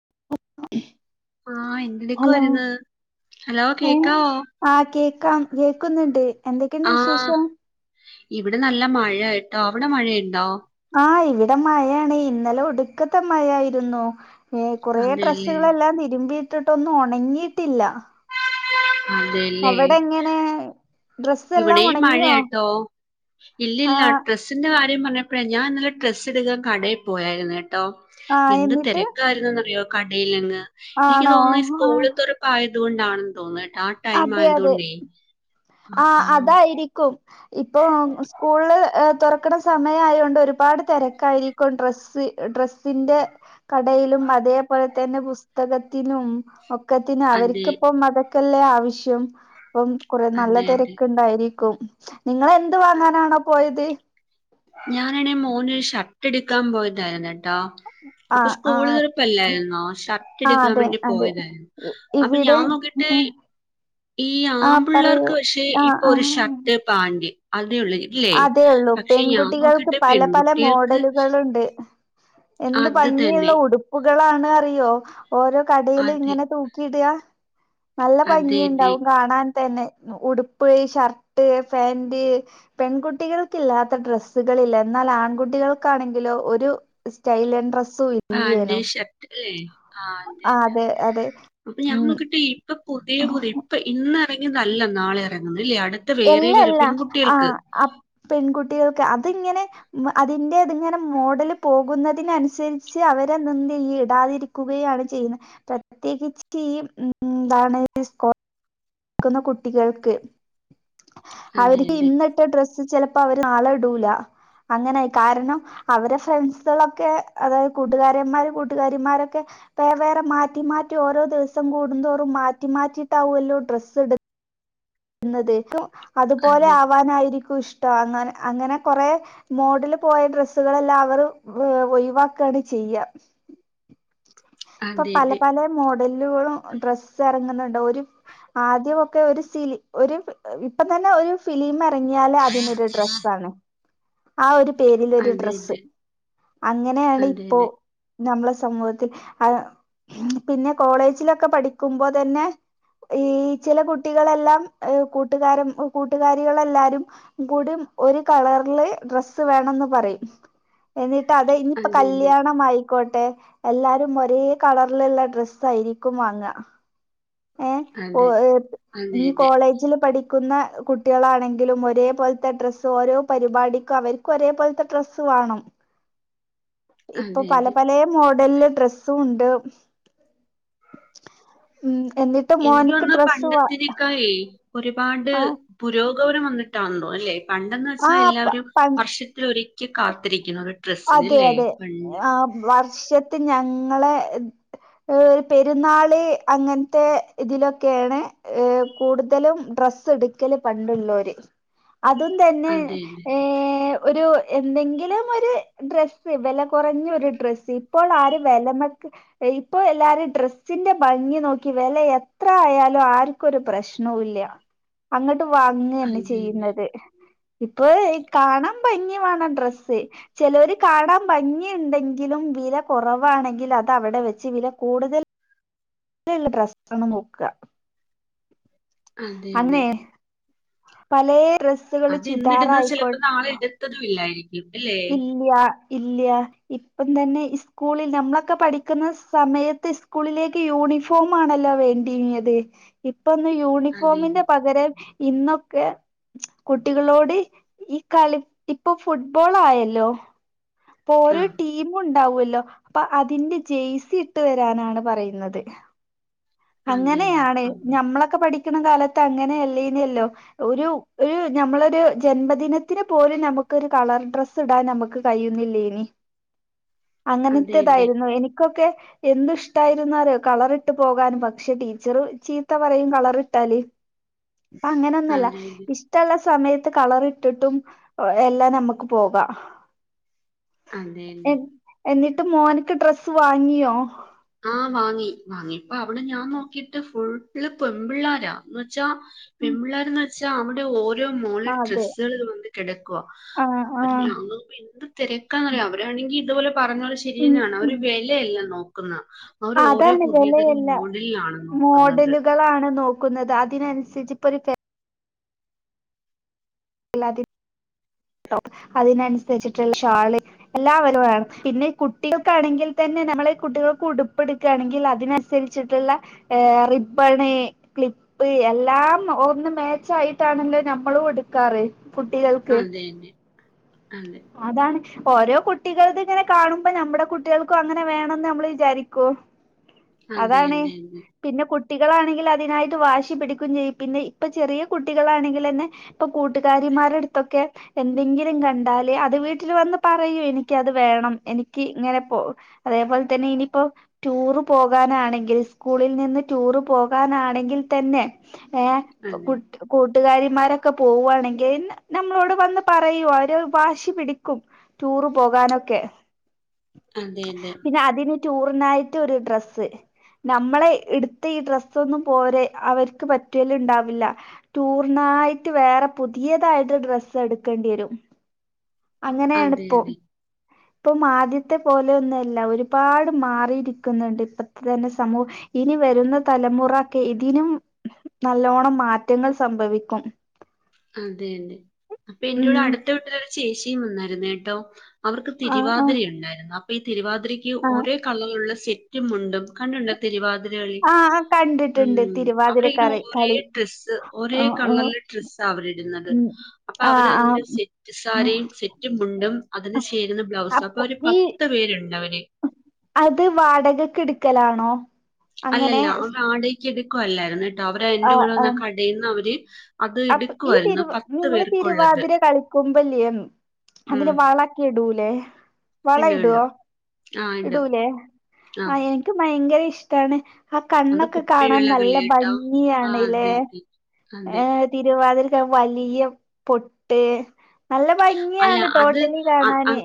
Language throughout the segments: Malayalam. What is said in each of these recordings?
[unintelligible] ആ ഹലോ എന്തെടുക്കുവായിരുന്നു ഹലോ കേക്കാവോ ആ കേൾക്കുന്നുണ്ട് എന്തെക്കെ ഉണ്ട് ആഹ് വിശേഷം ഇവിടെ നല്ല മഴ കേട്ടോ അവിടെ മഴയുണ്ടോ ആ ഇവിടെ മഴയാണ് ഇന്നലെ ഒടുക്കത്തെ മഴയായിരുന്നു കുറെ അതെല്ലേ ഡ്രസ്സ്‌കൾ എല്ലാം തിരുമ്പി ഒന്നും ഉണങ്ങിട്ടില്ല [unintelligible] അവിടെങ്ങനെ ഇവിടേം മഴയാട്ടോ ഇല്ലില്ല ആഹ് ഡ്രസ്സ്‌ ന്റെ പറഞ്ഞപ്പഴാ ഞാൻ ഇന്നലെ ഡ്രസ്സ്‌ എടുക്കാൻ കടേപോയാരുന്നു ആഹ് എന്ത് എന്നിട്ട് തിരക്കാരുന്നെന്ന് അറിയോ കടേൽ അങ്ങ് എനിക്ക് ആണോ തോന്നുന്നു ആഹ് സ്കൂൾ തൊറപ്പ് ആയത് അത് കൊണ്ട് ആണെന്ന് തോനുന്നു ആ ടൈം ആയത് കൊണ്ടേ ആ അതായിരിക്കും ഇപ്പോ സ്കൂൾ തുറക്കുന്ന സമയം ആയോണ്ട് ഒരുപാട് തിരക്ക് ആയിരിക്കും ഡ്രസ്സ്‌ ഡ്രെസ്സിന്റെ കടയിലും അതേപോലെ തന്നെ പുസ്തകത്തിനും ഒക്കത്തിനും അതെ അവർക്ക് ഇപ്പം അതൊ ക്കല്ലെ ആവിശ്യം അപ്പം കൊ നല്ല അതെ അതെ തിരക്ക് ഇണ്ടായിരി ക്കും നിങ്ങള് എന്ത്‌ വാങ്ങാനാണ് പോയത് ഞാൻ ആണേ മോനൊര് ഷർട്ട്‌ എടുക്കാൻ പോയത് ആയിരുന്ന ട്ടോ അപ്പോ ആഹ് സ്കൂൾ ആഹ് തുറപ്പ് അല്ലാരുന്നോ ഷർട്ട് ആഹ് എടുക്കാൻ അതെ വേണ്ടി അതെ പോയതാരുന്നു ഇ- അപ്പോ ഇവിടെ ഞാൻ നോക്കീട്ട് ഈ ആഹ് പറയൂ ആമ്പുള്ളാർക്ക് പക്ഷെ ഇപ്പൊ ഒരു ഷർട്ട്‌ പാ ൻ്റ് അ അതേയുള്ളു പെൺകുട്ടികൾക്ക് നോക്കിട്ട് പല പല പെൺകുട്ടികൾക്ക് മോഡലുകൾ ഉണ്ട് എന്ത് അത് ഭംഗി തന്നെ ഉള്ള ഉടുപ്പു ളാണ് അറിയോ ഓരോ കടയിലും അതെ ഇങ്ങനെ തൂക്കി ഇടാ നല്ല ഭംഗി അതെ അതെ ഇണ്ടാവും കാണാൻ അതന്നെ ഉടുപ്പ് ഷർട്ട്‌ ഫേന്റ് പെൺകുട്ടികൾക്ക് ഇല്ലാത്ത ഡ്രസ്സ്‌കള് ഇല്ല എന്നാൽ ആൺകുട്ടികൾക്ക് ആണെങ്കിലോ ഒരു സ്റ്റൈലെൻ ഡ്രസ്സ്‌ പാന്റ് ഷർട്ട് അല്ലേ ആ ആ അതന്നെ അതെ അതെ അപ്പ ഞാൻ ഉം നോക്കിട്ട് ഇപ്പം പുത്യേ പുതി ഇപ്പ ഇന്ന് ഇപ്പയെങ്ങും നല്ല നാളെ വേണംന്നില്ല അട് ഇല്ലല്ല ആ അപ്പ് പെൺകുട്ടികൾക്ക് അതിങ്ങനെ അതിന്റെ അത് ഇങ്ങനെ മോഡല് പോകുന്നതിനനുസരിച്ച് അവരെന്നെ എന്തെയ്യും ഇടാതിരിക്കുകയാണ് ചെയ്യുന്നത് പ്രത്യേകിച്ച് ഈ ഉം എന്താണ് സ് കുട്ടികള്ക്ക് അതെ അവർക്ക് അതെ ഇന്നിട്ട ഡ്രസ്സ് ചെല പ്പം അവര് നാളെ ഇടൂല അങ്ങനെ കാരണം അവരെ ഫ്രണ്ട്സുകളൊക്കെ അതായത് കൂട്ടുകാരന്മാരും കൂട്ടുകാരിമാരൊക്കെ വേറെ വേറെ മാറ്റി മാറ്റി ഓരോ ദിവസം കൂടുന്തോറും മാറ്റി മാറ്റിട്ടാവോല്ലോ ഡ്ര സ് ഇട് [unintelligible] നിങ്ങൾ ജയിച്ചോ അതുപോലെ അതെ ആവാനായിരിക്കും ഇഷ്ട അങ്ങനെ അങ്ങനെ കൊറെ മോഡൽ പോയ ഡ്രെസ്സുകളെല്ലാം അവർ ഒഴിവാക്കാണ് ചെയ്യ ഇപ്പ അതെ പലെ അതെ പലെ മോ പ്രില്ലൊള്ള ഡ്രസ്സ് എറങ്ങുന്നുണ്ട് ഒരു ആദ്യ ഒക്കെ ഒര് സിലി ഒര് ഇപ്പത്തന്നെ ഒര് ഫിലിമ് ഇറങ്ങിയാലേ അതിനൊര് ഡ്രസ്സാണ് ആ ഒരു പേരിലൊരു അതെ ഡ്രെസ്സ് അങ്ങനെയാണ് അതെ ഇപ്പോ അതെ നമ്മടെ സമൂഹത്തിൽ ആഹ് പിന്നെ കോളേജിലൊക്കെ പഠിക്കുമ്പോ തന്നെ ഈ ചില കുട്ടികളെല്ലാം കൂട്ടുകാരൻ കൂട്ടുകാരികളെല്ലാരും കൂടി ഒരു കളറില് ഡ്രസ്സ് വേണംന്ന് പറയും എന്നി ട്ട് അതെ ഇനിയിപ്പ കല്യാണം ആയി ക്കോട്ടെ എല്ലാരും ഒ രേ കളറിലുള്ള ഡ്രസ്സായിരിക്കും വാങ്ങുക ഏ അതെ [unintelligible] അതെ ഇനി അതെ കോളേജില് പഠി ക്കുന്ന കുട്ടികളാണെങ്കിലും ഒരേ പോലത്തെ ഡ്രസ്സ്‌ ഓരോ പരിപാടിക്കും അവർക്ക് ഒരേ പോലത്തെ ഡ്രസ്സ്‌ വേണം ഇപ്പ അതെ പലെ അതെ പലെ മോ ഡല് ഡ്രസ്സ് സൂണ്ട് ഉം എന്നിട്ട് എനിക്ക് മോൻക്ക് തോന്നുന്നു ഡ്രസ്സ് വാ പണ്ടത്തിനേക്കാളേ ഒരുപാട് പുരോ [unintelligible] വന്നിട്ടാ എന്തോ അല്ലേ പണ്ടെന്ന് ആ ആ വെച്ചാൽ എല്ലാവരും പ വർഷത്തിലൊരി ക്ക് കാത്തിരിക്ക്ണത് അതെ അതെ ആ [unintelligible] ഷത്തിൽ ഞങ്ങളെ പെരുന്നാള് അങ്ങനത്തെ ഇതിലൊക്കേണ് കൂടുതലും ഡ്രസ് എടുക്കല് പണ്ടുള്ളോര് അതും തന്നെ അതെ അതെ ഏ ഒരു എന്തെങ്കിലും ഒര് ഡ്രസ് വെല കൊറഞ്ഞൊരു ഡ്രസ് ഇപ്പോളാരും വെല മതി ഇപ്പോ എല്ലാരും ഡ്രസിന്റെ ഭംഗി നോക്കി വെല എത്ര ആയാലും ആര്ക്കും ഒരു പ്രശ്‌നൂല്ല അങ്ങ ട്ടും വാങ്ങന്നെ അതെ അതെ ചെയ്യുന്നത് ഇപ്പോ കാണാൻ ഭംഗി വേണം ഡ്രസ് ചെലോര് കാണാൻ ഭംഗിയുണ്ടെങ്കിലും വില കൊറവാണെങ്കിൽ അതവിടെ വെച്ച് വില കൂടുതൽ വില ഇള്ള ഡ്രസ്സ് ആണ് നോക്കാ അത് തന്നെ പലേ ഡ്രസ്സുകള് അത് ഇന്നിടുന്നത് ചുരിദാറായിക്കോട്ടെ ചെലപ്പം നാളെ ഇടത്തുതുല്ലായിരി ക്കും അല്ലേ ഇല്യാ ഇപ്പം തന്നെ ഇസ്കുളിൽ നമ്മളൊക്കെ പഠിക്കുന്ന സമയത്ത് ഇസ്കുളിലേക്ക് യൂണിഫോമാണല്ലോ വേണ്ടീന്യത് ഇ പ്പം ഇന്ന് അതെ യൂണിഫോമിന്റെ അതെ പകരം ഇന്നൊക്കെ കുട്ടികളോട് ഈ കളി ഇപ്പോ ഫുട്ബോ ബോളായല്ലോ പ്പോ ഓരോ ആ ടീമും ഉണ്ടാകു അല് ല്ലോ അപ്പോ അതിന്റെ ജേഴ്സിയിട്ട് വരാനാണ് പറയുന്നത് അതെയോ അങ്ങനെയാണ് ആ, ഞമ്മളൊക്കെ പഠിച്ച ക്കണ കാലത്ത് അങ്ങനെ അല്ലേ നു അല്ലോ ഒരു ഒരു ഞമ്മളൊരു ജന്മദിനത്തിന് പോലും ഞമ്മക്കൊരു കളർ ഡ്രസ്സിടാൻ ഞമ്മക്ക് കഴിയുന്നില്ലേനു അതെ അതെ അതെ അങ്ങനത്തെതായിരുന്നു എനിക്കൊക്കെ എന്തിഷ്ടായിരുന്നെന്ന് അറിയോ കളറിട്ട് പോകാന് പക്ഷേ ടീച്ചറ് ചീത്ത പറയും കളറിട്ടാല് ഇപ്പ അങ്ങനൊന്നല്ല അതെ ഇഷ്ടം ഒള്ള സമയത്ത് കളറിട്ടിട്ടും എല്ലാം നമ്മക്ക് പോകാ അത് തന്നെ ഇപ്പം മോനിക്ക് ഡ്രസ്സ് വാങ്ങിയോ ആ വാങ്ങി വാങ്ങിയപ്പം അവിടെ ഞാൻ നോക്കിട്ട് ഫുള്ള് പെമ്പിള്ളാരാ ച്ചാ പെമ്പിള്ളാര്ന്ന് ച്ചാ അവിടെ ഓരോ ഓരോ മോഡൽ അതെ ഡ്രസ്സുകൾ വന്ന കെടക്കുവാ ആഹ് അപ്പം ആഹ് ഞാൻ നോക്കുമ്പോ എന്ത് തെരക്കാന്നറിയോ അവരാണെങ്കി [unintelligible] പറഞ്ഞ പോലെ ശരി ന്നെയാണ് അവര് വെലയല്ല നോക്ക് ക്കുന്ന ആ അതാണ് വെലയല്ലാ നോക്കുന്നത് മോഡലുകളാണ് നോക്ക് ക്കുന്നത് അതിനനുസരിച്ചുപൊരു ഫ [unintelligible] അതിനനുസരിച്ചട്ടില്ല ഷാൾഎല്ലാം അവർവേണം പിന്നെകുട്ടികൾക്ക് ആണെങ്കിൽ തന്നെ നമ്മൾ കുട്ടികൾക്ക് ഉടുപ്പ് എടുക്കാണങ്കിൽ അതിനനുസരിച്ച് ട്ടുള്ള റിബ്ബൻ ക്ലിപ്പ് എല്ലാം ഒന്ന് മാച്ച് ആയിട്ടാണ് നമ്മൾ എടുക്കാറ് കുട്ടികൾക്ക് അതെ അതെ അതെ അതാണ് ഒരോ കുട്ടികൾതുങ്ങനെ കാണുമ്പോനമ്മളെ കുട്ടികൾക്ക് അങ്ങനെ വേണം ന്ന്‌ നമ്മളും വിചാരിക്കും അതെ അതാണ് പിന്നെ കുട്ട് കുട്ടികളാണെങ്കിൽ അതിനായിട്ട് വാശി പിടിക്കും ചെയ്യും പിന്നെ ഇപ്പൊ ചെറിയ കുട്ടികളാണെങ്കിൽ ന്നെ കൂട്ടുകാരന്മാരാടുത്തൊക്കെ എന്തെങ്കിലും കണ്ടാൽ അത് വീട്ടിൽ വന്ന് പറയും എനിക്ക് അത് വേണം എനിക്ക് ഇങ്ങനെഅത് പോലെ തന്നെ ഇനീപ്പോ ടൂർ പോകണങ്കിൽ സ്കൂളിൽ നിന്ന് ടൂർ പോകാനാണെങ്കിൽ തന്നെ എ അതെ കൂട്ടുകാരൻമാരൊക്കെ പോവുകയാണെങ്കിൽ നമ്മളോട് വന്ന് പറയും വാശി പിടിക്കും ടൂർ പോകാനൊക്കെ അതെ അതെ പിന്നെ അതിന് ടൂറിനായിട്ട് ഒരു ഡ്രസ്സ്, നമ്മളെ എടുത്ത് ഈ ഡ്രസ്സ് ഒന്നും പോരെ അവർക്ക് പറ്റി ഉണ്ടാവില്ല ടൂർനായിട്ട് വേറെ പുതിയതായിട്ട് ഡ്രസ്സ് എടുക്കേണ്ടിവരും [unintelligible] [inaudible] അതെ അതെ അതെ ഇപ്പൊ ആദ്യത്തെ പോലെയല്ല ഒരുപാട് മാറിയിരിക്കുന്നുഇപ്പൊ തന്നെ സമൂഹം ഇനി വരുന്ന തലമുറ ഇതിനും നല്ലോണം മാറ്റങ്ങൾ സംഭവിക്കും അതെന്നെ ഇപ്പൊ ഇന്നോട് ഉം അടുത്ത വീട്ടിലെ ചേച്ചി വന്നരുന്നൂട്ടോ അവർക്ക് ആ ആ തിരുവാതിര ഉണ്ടായിരുന്നു തിരുവാതിരയ്ക്ക് ആ ഒരേ കളർ ഉള്ള സെറ്റും മുണ്ടും കണ്ടുണ്ടോ തിരുവാതിര കളി. ആ ആ, കണ്ടിട്ടുണ്ട് ഉം തിരുവാതിര അവര് അതിനു കറി ഒരേ കളി ഡ്രസ്സ്‌ ഒരേ ആ ആ കളർ ഉള്ള ഡ്രസ്സ്‌ അവര് ഇടുന്നത് ഉം അപ്പൊ ആ അവര് ആ അതിനു സെറ്റ് ഉം. സാരി സെറ്റ് മുണ്ടും അതിന് ചെരുന്ന ബ്ലൗസ് ഉം അപ്പൊ അവര് പത്തു പേരുണ്ട് അവര് ഇടിക്കലാണോ അല്ലല്ല വാടകക്ക് [unintelligible] അവര് ആ ആ [unintelligible] [unintelligible] [inaudible] അപ്പൊ എടുക്കുമായിരുന്നു പത്ത് ഇങ്ങൾ പേർക്കുള്ളത് തിരുവാതിര കളിക്കുമ്പോൾ ഇല്ലെ അതിൽ ഉം വള ഒക്കെ ഇടൂലെ വള ഉണ്ട് ഇടോ ഉണ്ട് ആ ഉണ്ട് ഇടൂലെ ആ ഇൻക്ക് ഭയങ്കര ഇഷ്ട്ടാണ് ഇഷ്ട്ടാണ് ആ അത് കണ്ണൊക്കെ കാണാൻ നല്ല കുപ്പിവിളകളിൽ ട്ടോ ആ ബങ്ങിയാണല്ലേ അതെ അതെ അതെ ഏഹ് തിരുവാതിരക്ക് ത് വലിയ പൊട്ട് നല്ല അല്ല ഭംഗിയാണ് ടോറ്റലി കാണാന്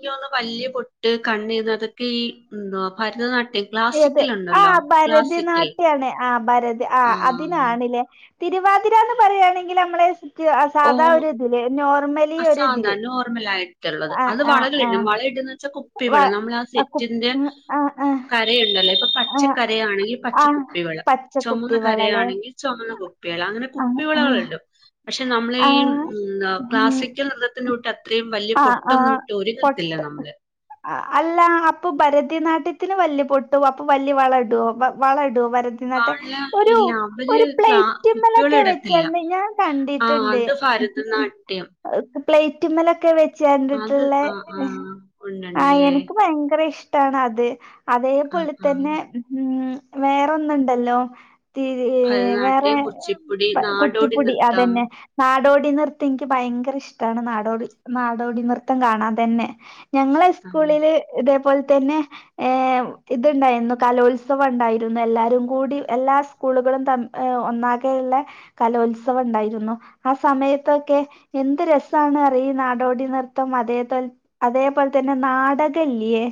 യ്ക്ക് തോന്നുന്നു വല്യ പൊട്ട് കണ്ണെഴ്തുന്നത് തെക്ക ഈ മ്ന്താ ഭരതനാട്യ അതെ അതെ ആഹ് ഭരതിനാട്യമേ ആഹ് ഭരതി ആ ആഹ് അതിനാണ്ല്ലേ തിരുവാതിരാന്ന് പറയാണെങ്കില് നമ്മള് ഓ അ ഒരു സാധാ ഇതില് നോർമലായിട്ടൊള്ളത്. ആ അത് ആ വളരും ആ ഇല്ലും വള ഇട്ടന്ന്ച്ചാ വ കുപ്പിവള നമ്മളാ അ കു സെറ്റിൻ്റെ ആ ആ കര എ ഇല്ലല്ലേ ഇപ്പം ആ പച്ചകരയാണങ്കി ആ പച്ച കുപ്പിവള പച്ചക്കുപ്പി വള ലെ ചൊമന്നകരയാണങ്കി ചൊമന്ന കുപ്പിവള അങ്ങനെ ആ ആ കുപ്പിവളകളൊണ്ട്. പക്ഷ് റ്റ് നമ്മള ആ ഈമ് ന്താ ഉം ക്ലാസിക്കൽ നിർത്തത്തിനൂട്ട അത്രയും വല്യ ആ പൊട്ടൊന്നും റ്റോരി ആ നിർത്തില്ല നമ്മള് അല്ല അപ്പൊ ബരത്യ നാട്യത്തിനും വല്യ പൊ ഇത് അപ്പം വല്യ വള കിട്ടോ അപ്പ വള കിട്ടോ ഭരതിനാട്യ വള ഒരു ഇല്ല അവര് ക്ലാ ഒരുപ്ലേറ്റ് മ്മെലെ കുപ്പികൾ കേറീറ്റ് ഇടത്തില്ല വന്ന് കഴിഞ്ഞാ ആ കണ്ടിറ്റൊണ്ട് അത് ഭരതനാട്യം പ്ലേറ്റ്മ്മെലെ കേറീ അത് ചേർണ്ടിട്ടൊള്ളെ ആ ആ ആഹ് ഉണ്ടുണ്ടല്ലേ എനിക്ക് ഭയങ്കര ഇഷ് ട്ട് ആണ അത് അത് ആ ഇപ്പള് ആ തന്നെ മ് ഹാ വേറൊന്നുണ്ടല്ലോ തി വേറെ ഭരതനാട്യം, കുച്ചിപ്പൊടി, ബ- നാടോടി നൃത്തം ക്ക് നൃത്തം എനിക്ക് ബയങ്കര ഇഷ്ടാണ് നാടോടി നാടോടി നൃത്തം കാണാൻ തന്നെ ഞങ്ങളെ അങ്ങനെ. സ്‌കൂളില് ഇതേ പോല് തന്നെ ഏവു ഇത് ഇണ്ടായ്ന്നു കലോൽസവം ഒണ്ടായിരുന്നു. എല്ലാരും കൂടി എല്ലാ സ്‌കൂളുകളും തൻ ഏഒ ഒന്നാകെ ഒള്ളെ കലോൽസവം ഒണ്ടായിരുന്നു. ആ സമയത്തൊക്കെ എന്ത് രസാണ് അറിയു നാടോടി നൃത്തം അതേ തൽ അതേ പോലെ തന്നെ നാടക ഇല്യേ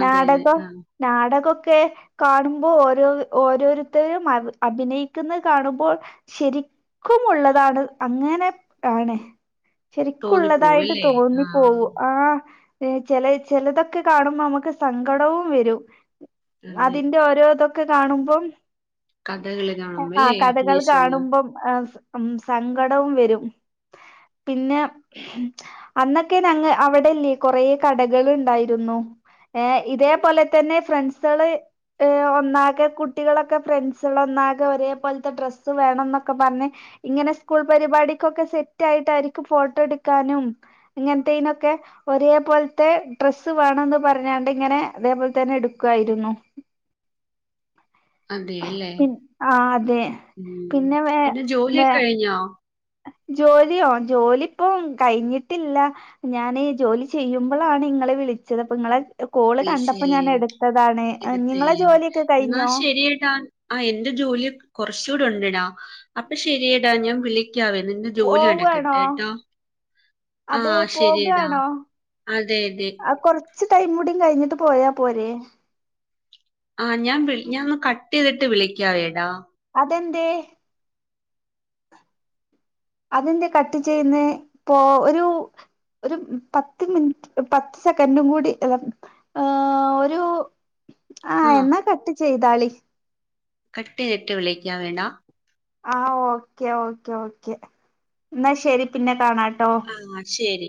അതെ അതെ നാടകൊ ആ നാടകൊക്ക് ത്തെ കാണുമ്പൊ ഒരു ഓരോരുത്തരും മാറ് അഭിനയിക്കുന്നത് കാണുമ്പോ ശരിക്കും ഒള്ളതാണ് അങ്ങനെ ആണ് ശരിക്കും തോന്നിപ്പോവും ഉള്ളതായിട്ട് അല്ലേ തോന്നി ആ പോവും ആഹ് ചേ ചെലയ ചെലതക്കെ കാണ്‌മ്പ നമ്മ ക്ക് സങ്കടവും വരും അതെ അതിൻ്റ ഓരോ തൊ ക്കെ കാണുമ്പം കഥകള് എ കാണുമ്പല്ലേ ആഹ് കടകള് അഭിനയിച്ചുള്ള കാണ്‌മ്പം ഔസ് അം സങ്കടവും വരും. പിന്നെ അന്നക്കെ നങ്ങൾ അവിട ഇല്ലേ കൊറേ കടകള് ഉണ്ടായിരുന്നു. ഏ ഇതോപ്പോലെ തന്നെ ഫ്രണ്ട്സേള് ഇഹ്അ ഒന്നാകെ കുട്ടികളൊക്ക ഫ്രണ്ട്സ് ളൊന്നാകെ ഒരേപോലത്തെ ഡ്രസ്സ് വേണോന്നക്ക പറഞ്ഞ് ഇങ്ങനെ സ്‌കൂൾ പരിപാടിക്കൊക്കെ സെറ്റായിട്ടാരിക്കും ഫോട്ടോ എട്ക്കാനും ഇങ്ങനത്തേനൊക്കെ ഒരേപോല്‌ത്തെ ഡ്രസ്സ് വേണോന്ന് പറഞ്ഞാണ്ട് ഇങ്ങനെ ഇതേപോലത്തന്നെ എടുക്കായിരുന്നു. അതെ ലേ അതെ പിന്നെ ജോലി വേ ഒക്കെ കഴിഞ്ഞോ ജോലിയോ ജോലിപ്പം കഴിഞ്ഞിട്ട് ഇല്ല ഞാൻ ജോലി ചെയ്യുമ്പളാണ് ഇങ്ങൾ വിളിച്ചത് കോള് കണ്ടപ്പോ വിളിച്ചല്ലേ ഞാൻ എടുത്തതാണ് ഇനി ഏഹ് നിങ്ങളെ എന്ത്ചെയ്യും ജോലിയൊക്കെ ന്നാ കഴിഞ്ഞോ ശെരിട്ടോ ആ എന്റെ ജോലി കൊറച്ചൂടെ ഉണ്ട് അപ്പം ശെരിയെടാ ഞാൻ വിളി ക്കവേ നിന്റെ ജോലി പോവാണോ നടക്കട്ടെ ട്ടൊ ആ അതെ ശെരിയെടാ പോകാണോ അതെ യതേ ച്ച് ടൈം കൂടി കഴിഞ്ഞിട്ട് പോയ പോരെ ആ ഞാൻ വിളി ഞാൻ ഒന്ന് കട്ട് ചെയ്തിട്ട് വിളിക്കാ എടാ അതെന്തേ അത് എന്ത്യേ കട്ട് ചെയ്യുന്നേ പൊ ഒരു ഒരു പത്ത് മിനിറ്റ് പത്തു സെക്കൻഡും കൂടി അല്ല ഏ ഒരു ആ എന്നാ കട്ട്‌ ചെയ്യ് താളി കട്ട്‌ ചെയ്തിട്ട് വിളിക്കവേ ഡാ ആ ഒകെ ഒകെ ന്നാ ശെരി പിന്നെ കാണാ ആ ശെരി